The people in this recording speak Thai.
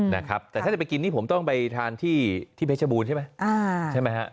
แต่ถ้าเต็มไปกินนี่ผมต้องไปทานที่เปจเจมูลใช่ไหม